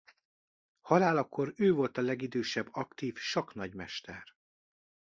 Halálakor ő volt a legidősebb aktív sakknagymester.